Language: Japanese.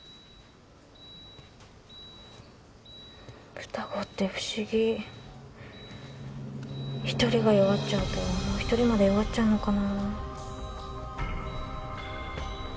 双子って不思議一人が弱っちゃうともう一人まで弱っちゃうのかな